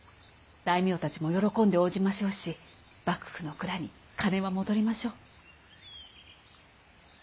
大名たちも喜んで応じましょうし幕府の蔵に金は戻りましょう！